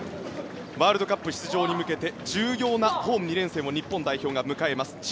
ワールドカップ出場に向けて重要なホーム２連戦を日本代表が迎えます。